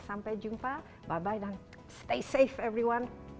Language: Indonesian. sampai jumpa bye bye dan stay safe everyone